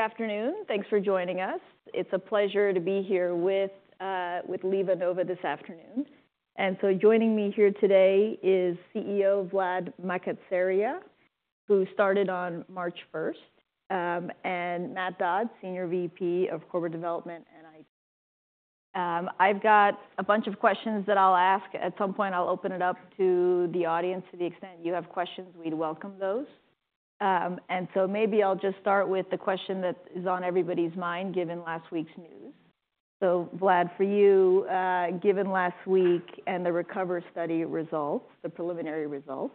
Good afternoon. Thanks for joining us. It's a pleasure to be here with LivaNova this afternoon. And so joining me here today is CEO Vlad Makatsaria, who started on March 1st, and Matt Dodds, Senior VP of Corporate Development. I've got a bunch of questions that I'll ask. At some point, I'll open it up to the audience. To the extent you have questions, we'd welcome those. And so maybe I'll just start with the question that is on everybody's mind, given last week's news. So, Vlad, for you, given last week and the RECOVER study results, the preliminary results,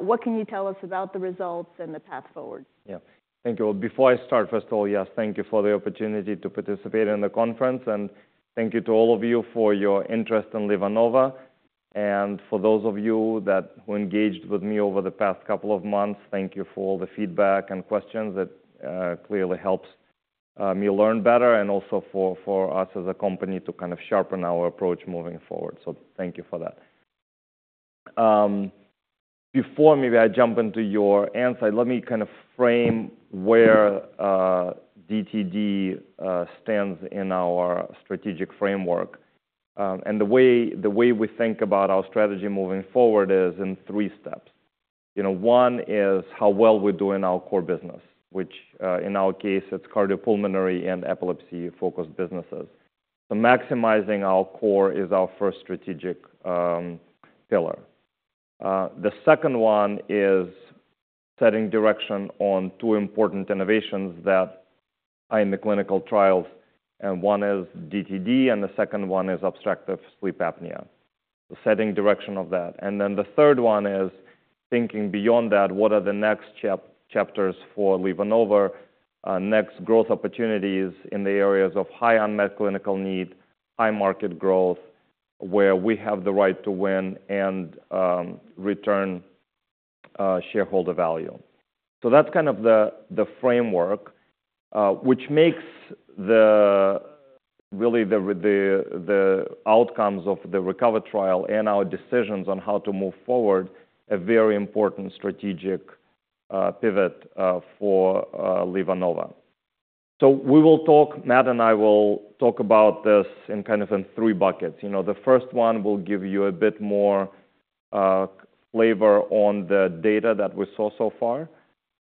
what can you tell us about the results and the path forward? Yeah. Thank you. Well, before I start, first of all, yes, thank you for the opportunity to participate in the conference. And thank you to all of you for your interest in LivaNova. And for those of you who engaged with me over the past couple of months, thank you for all the feedback and questions that clearly helps me learn better and also for us as a company to kind of sharpen our approach moving forward. So thank you for that. Before maybe I jump into your answer, let me kind of frame where DTD stands in our strategic framework. The way, the way we think about our strategy moving forward is in three steps. You know, one is how well we're doing our core business, which, in our case, it's cardiopulmonary and epilepsy-focused businesses. So maximizing our core is our first strategic pillar. The second one is setting direction on two important innovations that are in the clinical trials. And one is DTD, and the second one is obstructive sleep apnea. Setting direction of that. And then the third one is thinking beyond that. What are the next chapters for LivaNova? Next growth opportunities in the areas of high unmet clinical need, high market growth, where we have the right to win and return shareholder value. So that's kind of the framework, which makes really the outcomes of the RECOVER trial and our decisions on how to move forward a very important strategic pivot for LivaNova. So Matt and I will talk about this in kind of three buckets. You know, the first one will give you a bit more flavor on the data that we saw so far.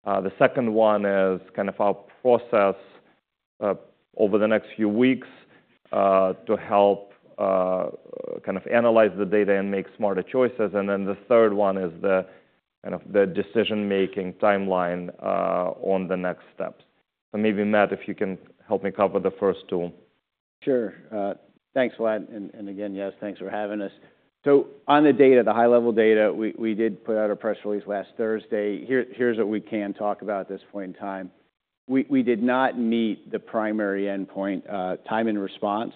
The second one is kind of our process, over the next few weeks, to help kind of analyze the data and make smarter choices. And then the third one is the kind of the decision-making timeline, on the next steps. So maybe, Matt, if you can help me cover the first two. Sure. Thanks, Vlad. And again, yes, thanks for having us. So on the data, the high-level data, we did put out a press release last Thursday. Here's what we can talk about at this point in time. We did not meet the primary endpoint, time and response.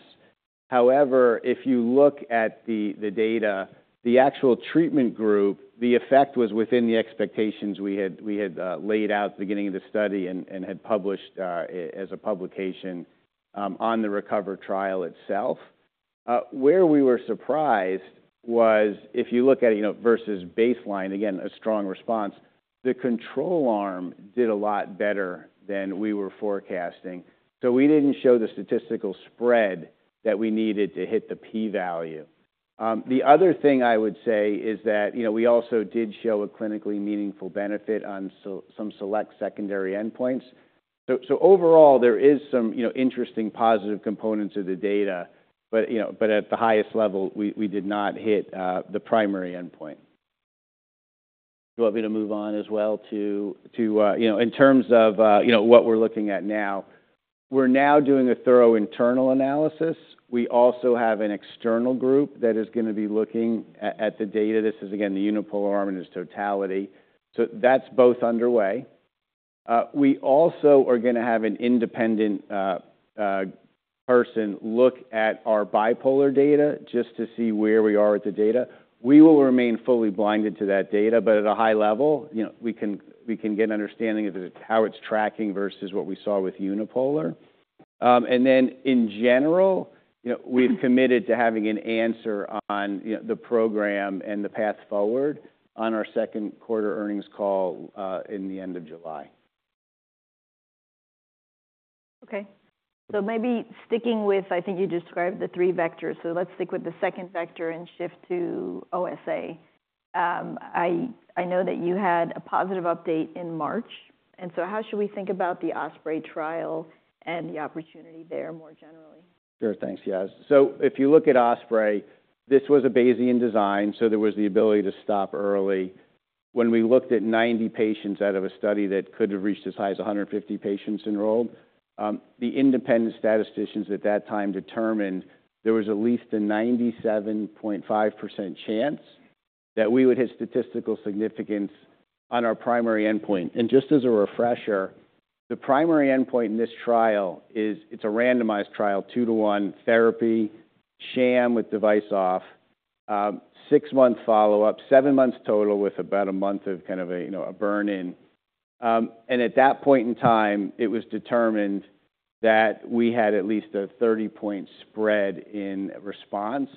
However, if you look at the data, the actual treatment group, the effect was within the expectations we had laid out at the beginning of the study and had published, as a publication, on the RECOVER trial itself. Where we were surprised was if you look at it, you know, versus baseline, again, a strong response, the control arm did a lot better than we were forecasting. So we didn't show the statistical spread that we needed to hit the P value. The other thing I would say is that, you know, we also did show a clinically meaningful benefit on some select secondary endpoints. So, so overall, there is some, you know, interesting positive components of the data, but, you know, but at the highest level, we, we did not hit the primary endpoint. Do you want me to move on as well to, to, you know, in terms of, you know, what we're looking at now? We're now doing a thorough internal analysis. We also have an external group that is gonna be looking at, at the data. This is, again, the unipolar arm in its totality. So that's both underway. We also are gonna have an independent person look at our bipolar data just to see where we are with the data. We will remain fully blinded to that data, but at a high level, you know, we can get an understanding of how it's tracking versus what we saw with unipolar. And then in general, you know, we've committed to having an answer on, you know, the program and the path forward on our second quarter earnings call, in the end of July. Okay. So maybe sticking with, I think you described the three vectors. So let's stick with the second vector and shift to OSA. I know that you had a positive update in March. And so how should we think about the OSPREY trial and the opportunity there more generally? Sure. Thanks. Yes. So if you look at OSPREY, this was a Bayesian design. So there was the ability to stop early. When we looked at 90 patients out of a study that could have reached as high as 150 patients enrolled, the independent statisticians at that time determined there was at least a 97.5% chance that we would hit statistical significance on our primary endpoint. And just as a refresher, the primary endpoint in this trial is, it's a randomized trial, 2-to-1 therapy, sham with device off, 6-month follow-up, 7 months total with about a month of kind of a, you know, a burn-in. And at that point in time, it was determined that we had at least a 30-point spread in response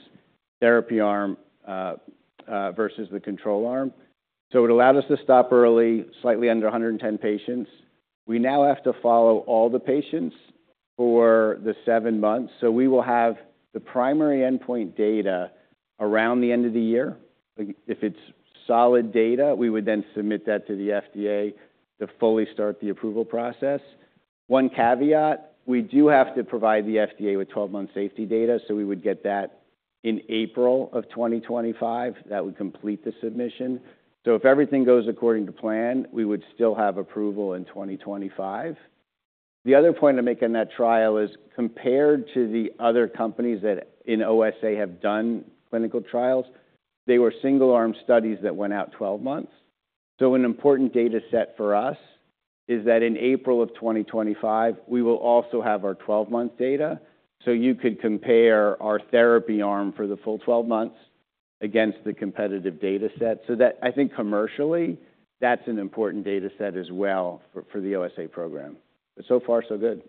therapy arm, versus the control arm. So it allowed us to stop early, slightly under 110 patients. We now have to follow all the patients for the 7 months. So we will have the primary endpoint data around the end of the year. If it's solid data, we would then submit that to the FDA to fully start the approval process. One caveat, we do have to provide the FDA with 12-month safety data. So we would get that in April of 2025, that would complete the submission. So if everything goes according to plan, we would still have approval in 2025. The other point I'm making in that trial is compared to the other companies that in OSA have done clinical trials, they were single-arm studies that went out 12 months. So an important data set for us is that in April of 2025, we will also have our 12-month data. So you could compare our therapy arm for the full 12 months against the competitive data set. So that I think commercially, that's an important data set as well for, for the OSA program. But so far, so good.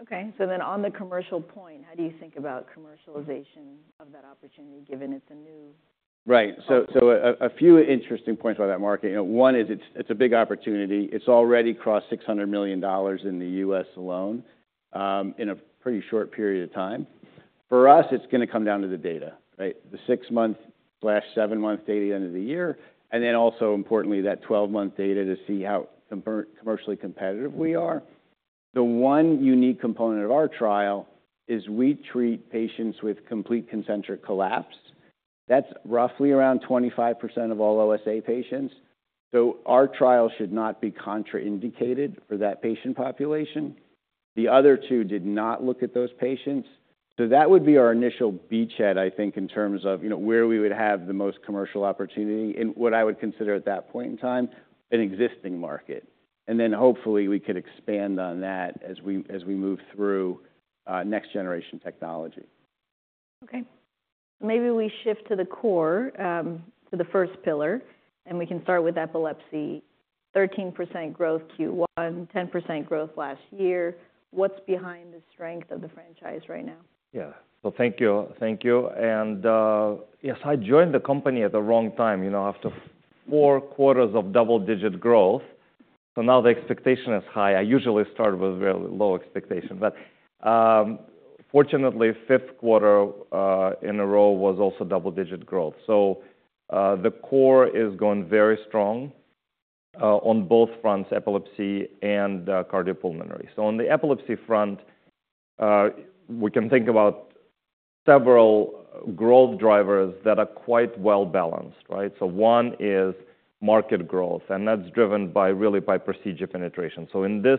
Okay. So then on the commercial point, how do you think about commercialization of that opportunity given it's a new? Right. A few interesting points about that market. You know, one is it's a big opportunity. It's already crossed $600 million in the U.S. alone, in a pretty short period of time. For us, it's gonna come down to the data, right? The 6-month-7-month data at the end of the year. And then also importantly, that 12-month data to see how commercially competitive we are. The one unique component of our trial is we treat patients with complete concentric collapse. That's roughly around 25% of all OSA patients. So our trial should not be contraindicated for that patient population. The other two did not look at those patients. So that would be our initial beachhead, I think, in terms of, you know, where we would have the most commercial opportunity in what I would consider at that point in time, an existing market. And then hopefully we could expand on that as we move through next-generation technology. Okay. Maybe we shift to the core, to the first pillar, and we can start with epilepsy, 13% growth Q1, 10% growth last year. What's behind the strength of the franchise right now? Yeah. Well, thank you. Thank you. And, yes, I joined the company at the wrong time, you know, after 4 quarters of double-digit growth. So now the expectation is high. I usually start with very low expectation, but, fortunately, fifth quarter, in a row was also double-digit growth. So, the core is going very strong, on both fronts, epilepsy and, cardiopulmonary. So on the epilepsy front, we can think about several growth drivers that are quite well-balanced, right? So one is market growth, and that's driven by really by procedure penetration. So in this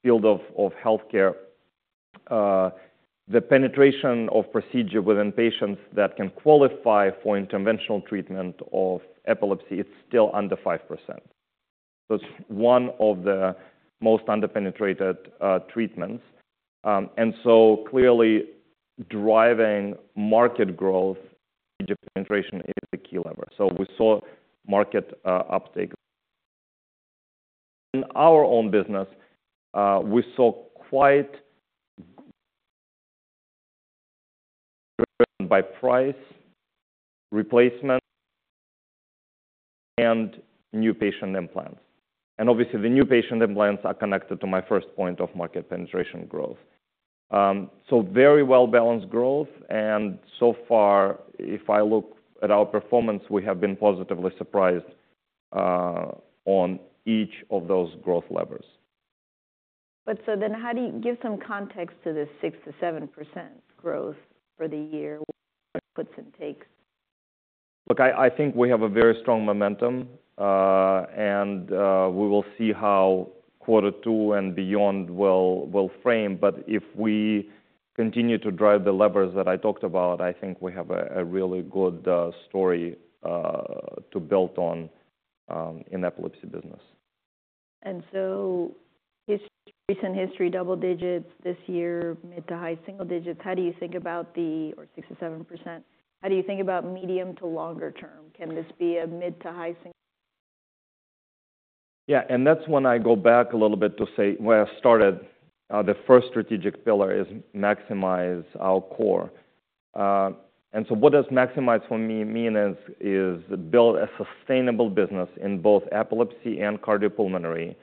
field of healthcare, the penetration of procedure within patients that can qualify for interventional treatment of epilepsy, it's still under 5%. So it's one of the most under-penetrated, treatments. And so clearly driving market growth, procedure penetration is the key lever. So we saw market uptake. In our own business, we saw quite driven by price, replacement, and new patient implants. And obviously, the new patient implants are connected to my first point of market penetration growth. So very well-balanced growth. And so far, if I look at our performance, we have been positively surprised on each of those growth levers. But so then, how do you give some context to this 6%-7% growth for the year? What are the puts and takes? Look, I think we have a very strong momentum, and we will see how quarter two and beyond will frame. But if we continue to drive the levers that I talked about, I think we have a really good story to build on in epilepsy business. And so history, recent history, double digits this year, mid to high single digits. How do you think about the, or 6%-7%? How do you think about medium to longer term? Can this be a mid to high single? Yeah. And that's when I go back a little bit to say where I started. The first strategic pillar is maximize our core. And so what does maximize for me mean is build a sustainable business in both epilepsy and cardiopulmonary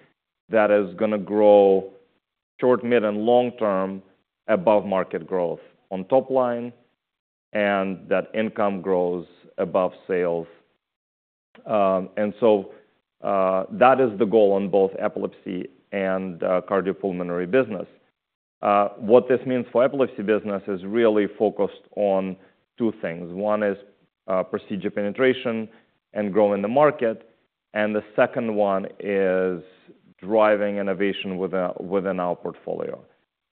that is gonna grow short, mid, and long-term above market growth on top line and that income grows above sales. And so that is the goal on both epilepsy and cardiopulmonary business. What this means for epilepsy business is really focused on two things. One is procedure penetration and growing the market. And the second one is driving innovation within our portfolio.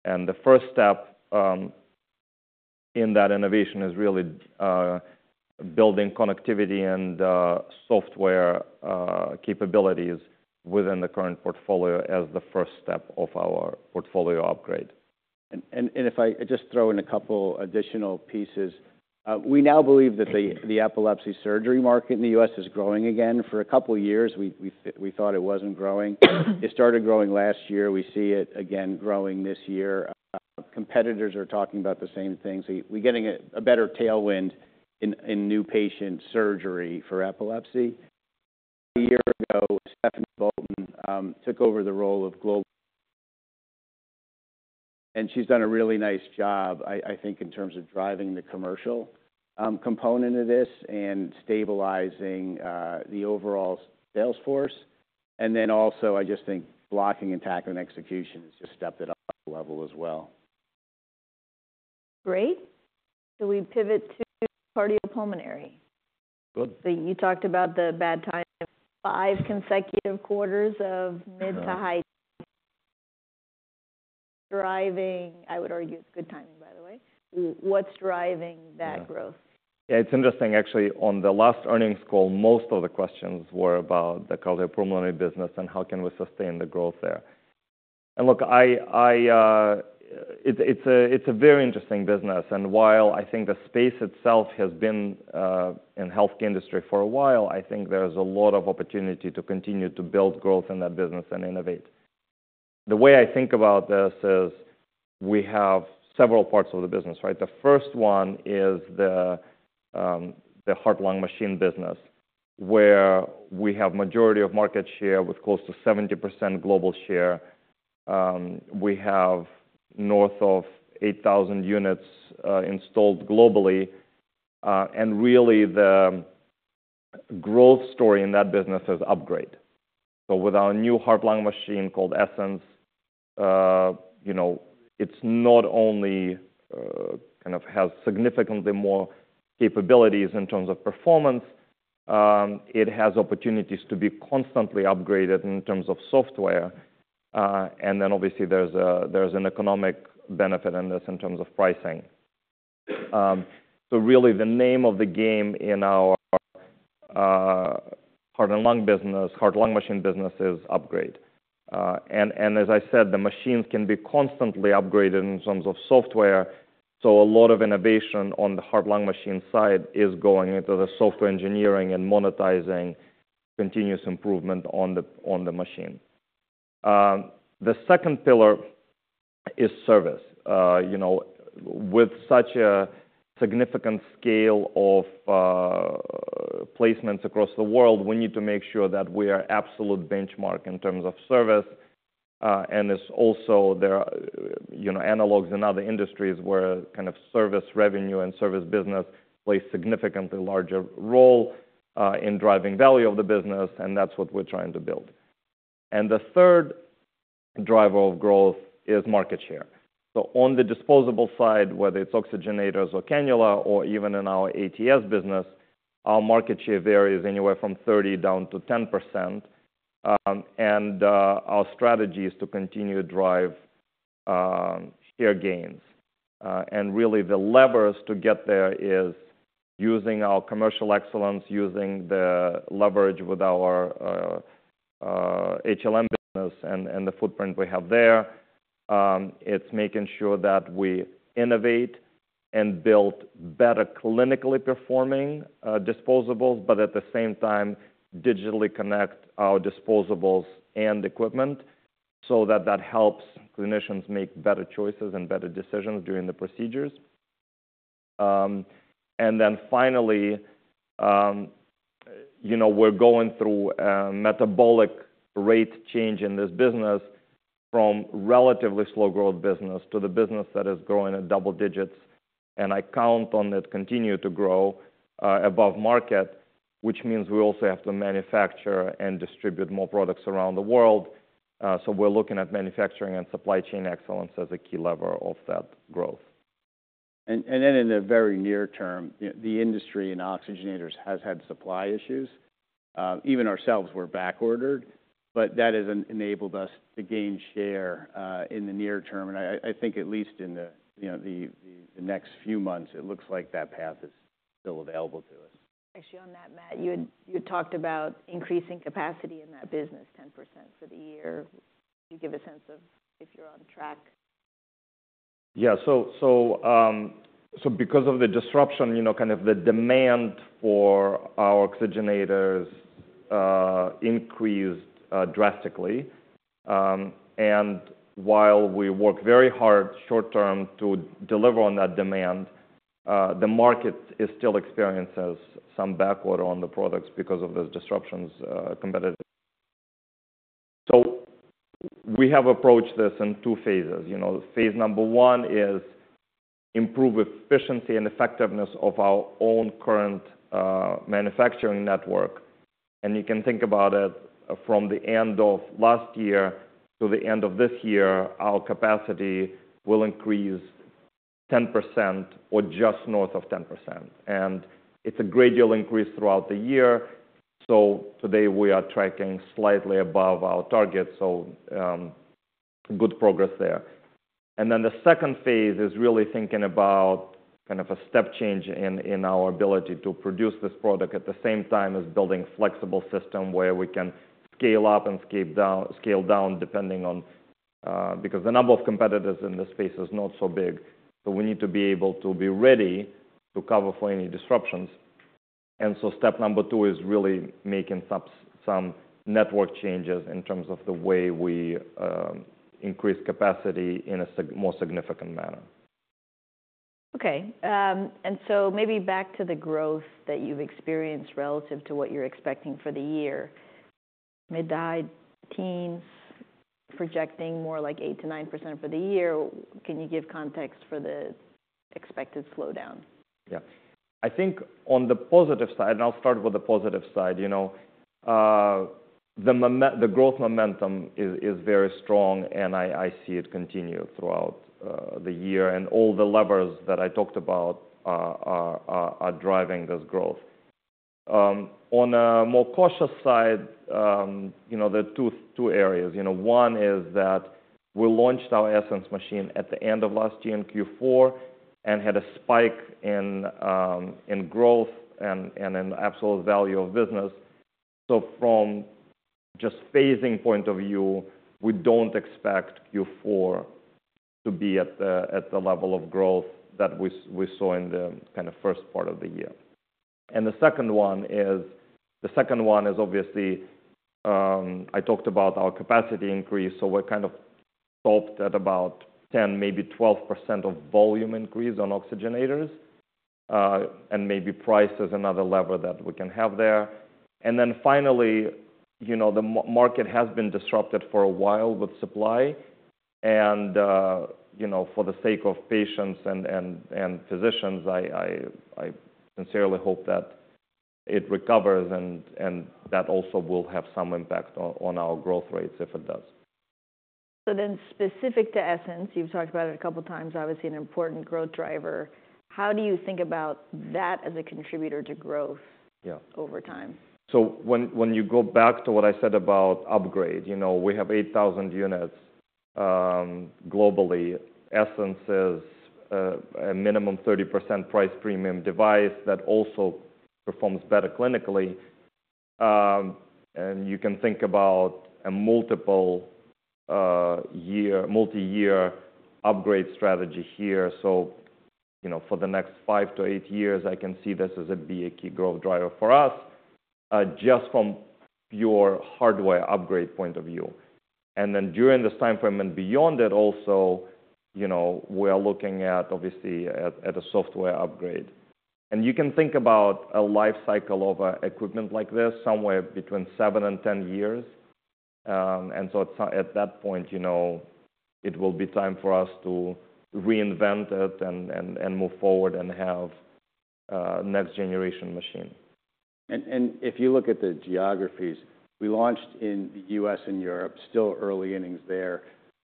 And the first step in that innovation is really building connectivity and software capabilities within the current portfolio as the first step of our portfolio upgrade. If I just throw in a couple additional pieces, we now believe that the epilepsy surgery market in the U.S. is growing again. For a couple of years, we thought it wasn't growing. It started growing last year. We see it again growing this year. Competitors are talking about the same thing. So we're getting a better tailwind in new patient surgery for epilepsy. A year ago, Stephanie Bolton took over the role of global, and she's done a really nice job, I think in terms of driving the commercial component of this and stabilizing the overall sales force. And then also, I just think blocking and tackling execution has just stepped it up a level as well. Great. So we pivot to cardiopulmonary. Good. So you talked about the bad time, 5 consecutive quarters of mid- to high-driving. I would argue it's good timing, by the way. What's driving that growth? Yeah. It's interesting. Actually, on the last earnings call, most of the questions were about the cardiopulmonary business and how can we sustain the growth there. And look, I, I, it's, it's a, it's a very interesting business. And while I think the space itself has been in the healthcare industry for a while, I think there's a lot of opportunity to continue to build growth in that business and innovate. The way I think about this is we have several parts of the business, right? The first one is the heart-lung machine business where we have majority of market share with close to 70% global share. We have north of 8,000 units installed globally. And really the growth story in that business is upgrade. So with our new heart-lung machine called Essenz, you know, it's not only kind of has significantly more capabilities in terms of performance. It has opportunities to be constantly upgraded in terms of software. And then obviously there's a, there's an economic benefit in this in terms of pricing. So really the name of the game in our heart and lung business, heart-lung machine business is upgrade. And as I said, the machines can be constantly upgraded in terms of software. So a lot of innovation on the heart-lung machine side is going into the software engineering and monetizing continuous improvement on the machine. The second pillar is service. You know, with such a significant scale of placements across the world, we need to make sure that we are absolute benchmark in terms of service. And it's also there, you know, analogs in other industries where kind of service revenue and service business plays significantly larger role in driving value of the business. And that's what we're trying to build. And the third driver of growth is market share. So on the disposable side, whether it's oxygenators or cannula or even in our ATS business, our market share varies anywhere from 30%-10%. And our strategy is to continue to drive share gains. And really the levers to get there is using our commercial excellence, using the leverage with our HLM business and the footprint we have there. It's making sure that we innovate and build better clinically performing disposables, but at the same time digitally connect our disposables and equipment so that that helps clinicians make better choices and better decisions during the procedures. And then finally, you know, we're going through a metabolic rate change in this business from relatively slow growth business to the business that is growing at double digits. I count on it continuing to grow, above market, which means we also have to manufacture and distribute more products around the world. So we're looking at manufacturing and supply chain excellence as a key lever of that growth. And then in the very near term, you know, the industry in oxygenators has had supply issues. Even ourselves were backordered, but that has enabled us to gain share in the near term. And I think at least in the, you know, the next few months, it looks like that path is still available to us. Actually on that, Matt, you had talked about increasing capacity in that business 10% for the year. Do you give a sense of if you're on track? Yeah. So because of the disruption, you know, kind of the demand for our oxygenators increased drastically. And while we work very hard short-term to deliver on that demand, the market is still experiencing some backorder on the products because of those disruptions, competitive. So we have approached this in two phases. You know, phase number one is improve efficiency and effectiveness of our own current manufacturing network. And you can think about it from the end of last year to the end of this year, our capacity will increase 10% or just north of 10%. And it's a gradual increase throughout the year. So today we are tracking slightly above our target. So, good progress there. And then the second phase is really thinking about kind of a step change in our ability to produce this product at the same time as building a flexible system where we can scale up and scale down, scale down depending on, because the number of competitors in this space is not so big. So we need to be able to be ready to cover for any disruptions. And so step number two is really making some network changes in terms of the way we increase capacity in a more significant manner. Okay. So maybe back to the growth that you've experienced relative to what you're expecting for the year, mid- to high-teens, projecting more like 8%-9% for the year. Can you give context for the expected slowdown? Yeah. I think on the positive side, and I'll start with the positive side, you know, the, the growth momentum is, is very strong and I, I see it continue throughout the year and all the levers that I talked about are, are, are, are driving this growth. On a more cautious side, you know, there are two, two areas. You know, one is that we launched our Essenz machine at the end of last year in Q4 and had a spike in, in growth and, and in absolute value of business. So from just phasing point of view, we don't expect Q4 to be at the, at the level of growth that we, we saw in the kind of first part of the year. And the second one is, the second one is obviously, I talked about our capacity increase. So we're kind of stopped at about 10%-12% volume increase on oxygenators, and maybe price is another lever that we can have there. And then finally, you know, the market has been disrupted for a while with supply. And, you know, for the sake of patients and physicians, I sincerely hope that it recovers and that also will have some impact on our growth rates if it does. So then specific to Essenz, you've talked about it a couple of times, obviously an important growth driver. How do you think about that as a contributor to growth? Yeah. Over time? So when you go back to what I said about upgrade, you know, we have 8,000 units globally. Essenz is a minimum 30% price premium device that also performs better clinically. And you can think about a multi-year upgrade strategy here. So, you know, for the next 5-8 years, I can see this as it'd be a key growth driver for us, just from pure hardware upgrade point of view. And then during this timeframe and beyond it also, you know, we are looking at obviously at a software upgrade. And you can think about a life cycle of an equipment like this somewhere between 7-10 years. And so at that point, you know, it will be time for us to reinvent it and move forward and have next generation machine. If you look at the geographies, we launched in the U.S. and Europe still early innings there.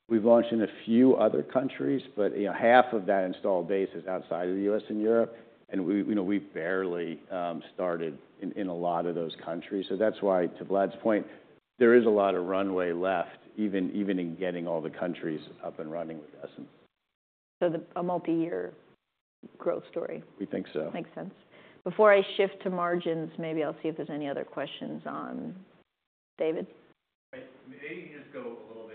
We've launched in a few other countries, but, you know, half of that installed base is outside of the U.S. and Europe. And we, you know, we barely started in a lot of those countries. So that's why to Vlad's point, there is a lot of runway left, even in getting all the countries up and running with Essenz. So, a multi-year growth story. We think so. Makes sense. Before I shift to margins, maybe I'll see if there's any other questions on David. Maybe just go a little bit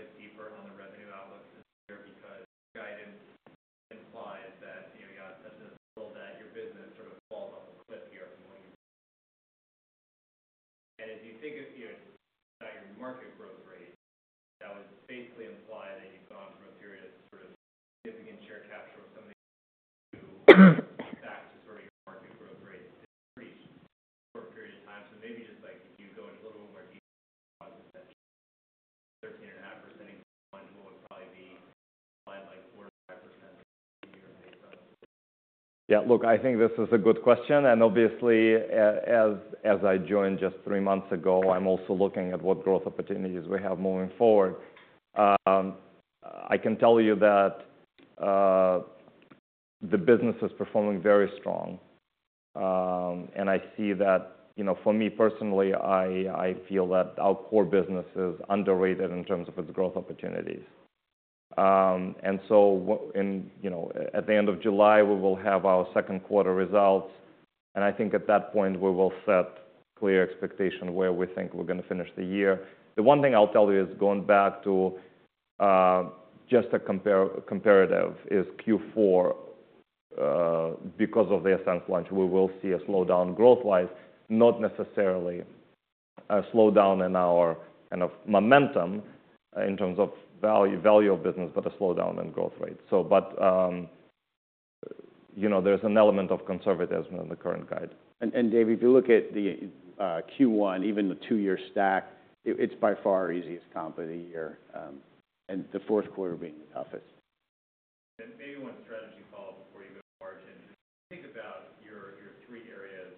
And so, you know, at the end of July, we will have our second quarter results. And I think at that point, we will set clear expectation where we think we're gonna finish the year. The one thing I'll tell you is going back to, just a compare, comparative is Q4, because of the Essenz launch, we will see a slowdown growth-wise, not necessarily a slowdown in our kind of momentum in terms of value, value of business, but a slowdown in growth rate. So, but, you know, there's an element of conservatism in the current guide. David, if you look at the Q1, even the two-year stack, it's by far our easiest comp of the year. And the fourth quarter being the toughest. Maybe one strategy call before you go to margin. Just think about your three areas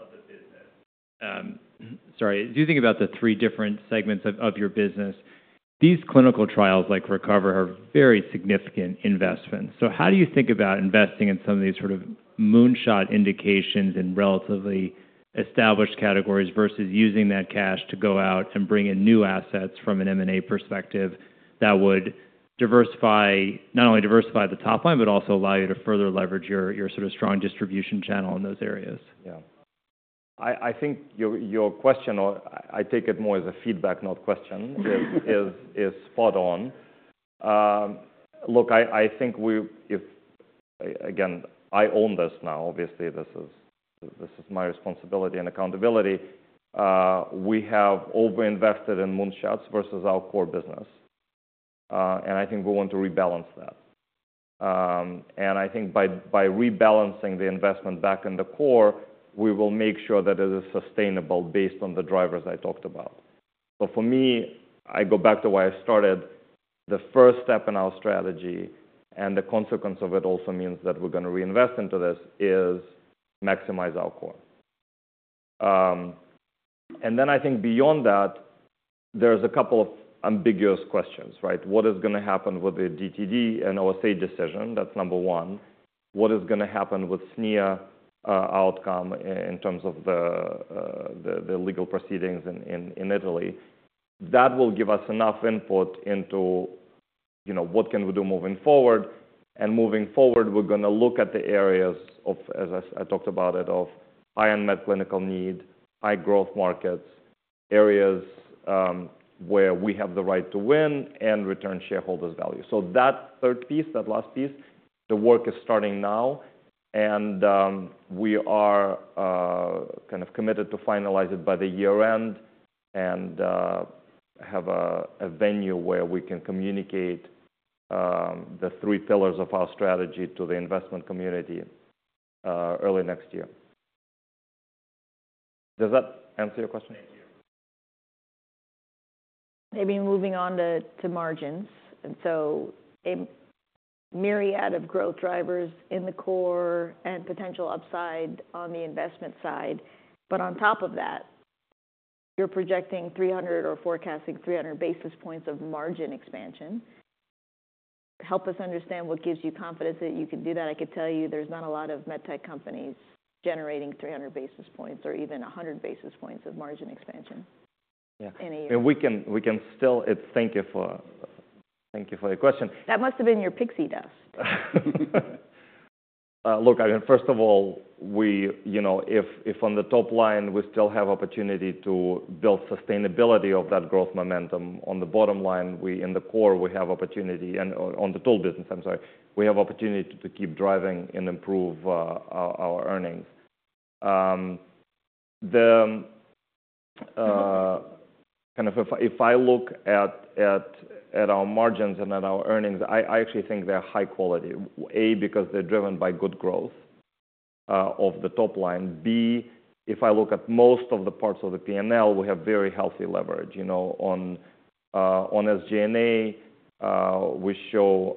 of the business. Sorry. As you think about the three different segments of, of your business, these clinical trials like RECOVER are very significant investments. So how do you think about investing in some of these sort of moonshot indications in relatively established categories versus using that cash to go out and bring in new assets from an M&A perspective that would diversify, not only diversify the top line, but also allow you to further leverage your, your sort of strong distribution channel in those areas? Yeah. I think your question, or I take it more as a feedback, not question, is spot on. Look, I think, again, I own this now. Obviously this is my responsibility and accountability. We have over-invested in moonshots versus our core business. And I think we want to rebalance that. And I think by rebalancing the investment back in the core, we will make sure that it is sustainable based on the drivers I talked about. But for me, I go back to why I started. The first step in our strategy and the consequence of it also means that we're gonna reinvest into this is maximize our core. And then I think beyond that, there's a couple of ambiguous questions, right? What is gonna happen with the DTD and OSA decision? That's number one. What is gonna happen with SNIA, outcome in terms of the legal proceedings in Italy? That will give us enough input into, you know, what can we do moving forward? And moving forward, we're gonna look at the areas of, as I talked about it, of high unmet clinical need, high growth markets, areas, where we have the right to win and return shareholders' value. So that third piece, that last piece, the work is starting now. And we are kind of committed to finalize it by the year end and have a venue where we can communicate the three pillars of our strategy to the investment community, early next year. Does that answer your question? Thank you. Maybe moving on to margins. And so a myriad of growth drivers in the core and potential upside on the investment side. But on top of that, you're projecting 300 or forecasting 300 basis points of margin expansion. Help us understand what gives you confidence that you can do that? I could tell you there's not a lot of MedTech companies generating 300 basis points or even 100 basis points of margin expansion in a year. Yeah. And we can still thank you for the question. That must have been your pixie dust. Look, I mean, first of all, we, you know, if on the top line, we still have opportunity to build sustainability of that growth momentum. On the bottom line, we, in the core, we have opportunity, and on the tool business, I'm sorry, we have opportunity to keep driving and improve our earnings. Kind of, if I look at our margins and at our earnings, I actually think they're high quality. A, because they're driven by good growth of the top line. B, if I look at most of the parts of the P&L, we have very healthy leverage, you know, on SG&A, we show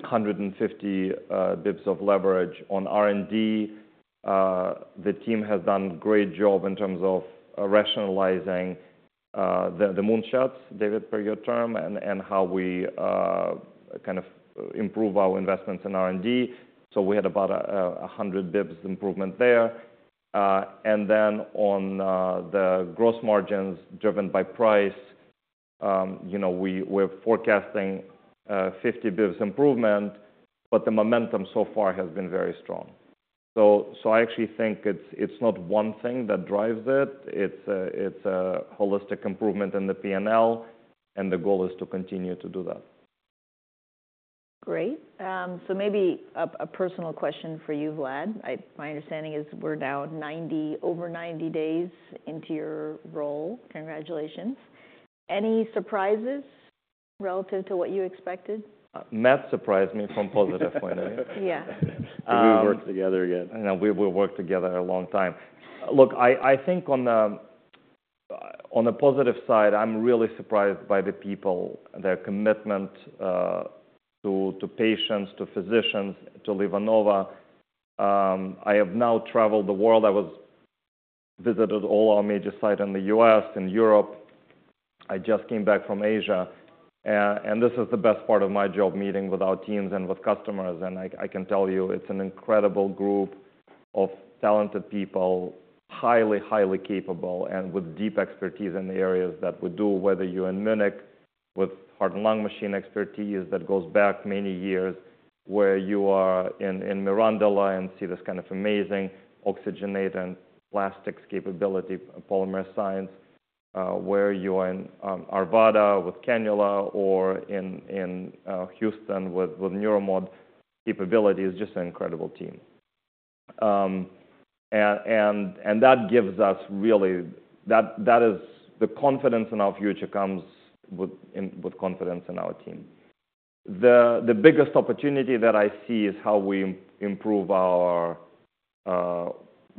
150 basis points of leverage on R&D. The team has done a great job in terms of rationalizing the moonshots, David, for your term, and how we kind of improve our investments in R&D. So we had about 100 basis points improvement there. And then, on the gross margins driven by price, you know, we're forecasting 50 basis points improvement, but the momentum so far has been very strong. So I actually think it's not one thing that drives it. It's a holistic improvement in the P&L, and the goal is to continue to do that. Great. So maybe a personal question for you, Vlad. My understanding is we're now over 90 days into your role. Congratulations. Any surprises relative to what you expected? Matt surprised me from a positive point of view. Yeah. We work together again. You know, we work together a long time. Look, I think on the positive side, I'm really surprised by the people, their commitment to patients, to physicians, to LivaNova. I have now traveled the world. I have visited all our major sites in the U.S., in Europe. I just came back from Asia. This is the best part of my job, meeting with our teams and with customers. And I can tell you it's an incredible group of talented people, highly capable and with deep expertise in the areas that we do, whether you're in Munich with heart-lung machine expertise that goes back many years, where you are in Mirandola and see this kind of amazing oxygenator and plastics capability, polymer science, where you are in Arvada with cannula or in Houston with neuromodulation capability is just an incredible team. And that gives us really the confidence in our future comes with confidence in our team. The biggest opportunity that I see is how we improve our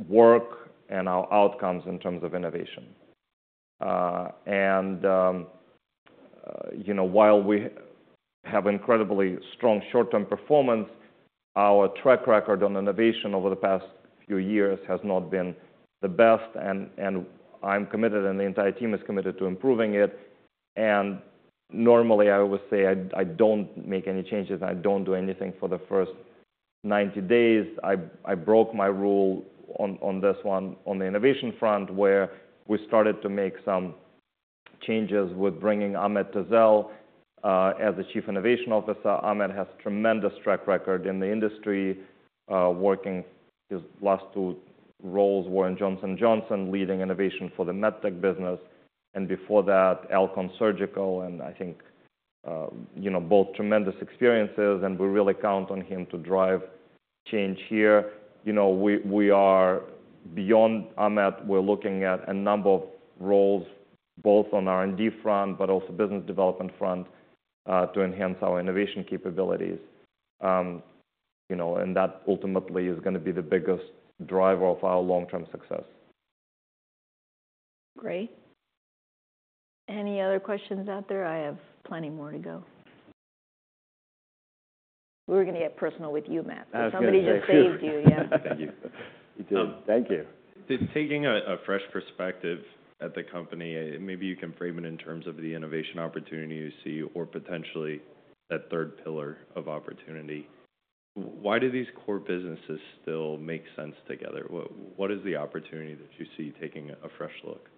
work and our outcomes in terms of innovation. And you know, while we have incredibly strong short-term performance, our track record on innovation over the past few years has not been the best. I'm committed, and the entire team is committed to improving it. Normally I always say, I don't make any changes and I don't do anything for the first 90 days. I broke my rule on this one, on the innovation front where we started to make some changes with bringing Ahmet Tezel as Chief Innovation Officer. Ahmet has tremendous track record in the industry, working. His last two roles were in Johnson & Johnson leading innovation for the MedTech business. And before that, Alcon Surgical. And I think, you know, both tremendous experiences. And we really count on him to drive change here. You know, we are beyond Ahmet. We're looking at a number of roles both on our R&D front, but also business development front, to enhance our innovation capabilities. You know, and that ultimately is gonna be the biggest driver of our long-term success. Great. Any other questions out there? I have plenty more to go. We were gonna get personal with you, Matt. Somebody just saved you. Yeah. Thank you. You did. Thank you. Just taking a fresh perspective at the company, maybe you can frame it in terms of the innovation opportunity you see or potentially that third pillar of opportunity. Why do these core businesses still make sense together? What is the opportunity that you see taking a fresh look?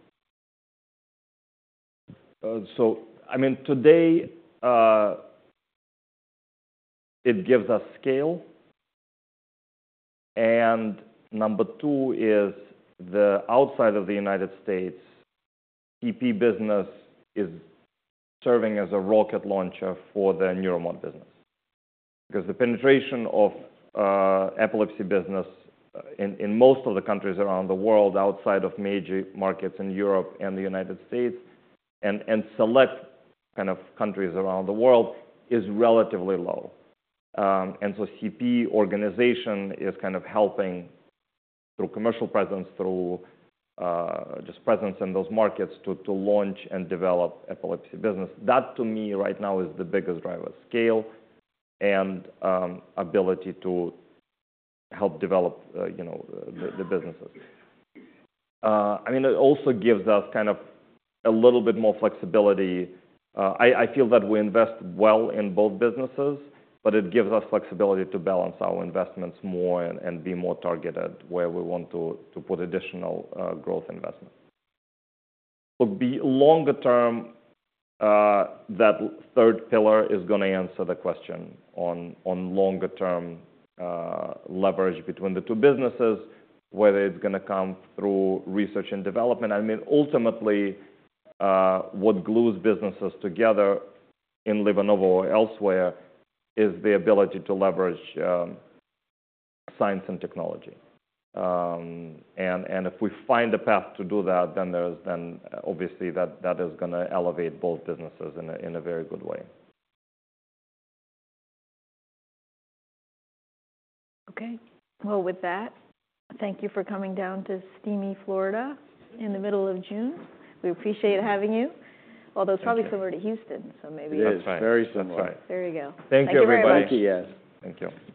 So, I mean, today, it gives us scale. Number two is the outside of the United States, CP business is serving as a rocket launcher for the Neuromod business because the penetration of, epilepsy business in, in most of the countries around the world outside of major markets in Europe and the United States and, and select kind of countries around the world is relatively low. So CP organization is kind of helping through commercial presence, through, just presence in those markets to, to launch and develop epilepsy business. That to me right now is the biggest driver, scale and, ability to help develop, you know, the, the businesses. I mean, it also gives us kind of a little bit more flexibility. I feel that we invest well in both businesses, but it gives us flexibility to balance our investments more and be more targeted where we want to put additional growth investment. Look, longer term, that third pillar is gonna answer the question on longer term leverage between the two businesses, whether it's gonna come through research and development. I mean, ultimately, what glues businesses together in LivaNova or elsewhere is the ability to leverage science and technology, and if we find a path to do that, then obviously that is gonna elevate both businesses in a very good way. Okay. Well, with that, thank you for coming down to sunny Florida in the middle of June. We appreciate having you. Although it's probably similar to Houston, so maybe that's fine. Yes. Very soon. There you go. Thank you, everybody. Thank you, all. Thank you.